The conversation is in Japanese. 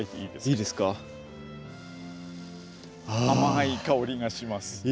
甘い香りがします。